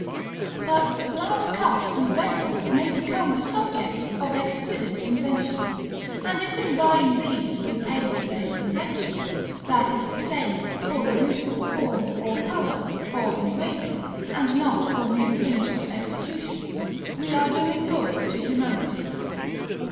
But glass cups and vessels may become the subjects of exquisite invention; and if in buying these we pay for the invention, that is to say for the beautiful form, or color, or engraving, and not for mere finish of execution, we are doing good to humanity.